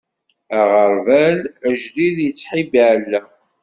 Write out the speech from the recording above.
Aɣerbal ajdid, yettḥibbi aɛellaq.